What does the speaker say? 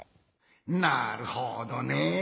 なるほどね。